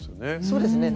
そうですね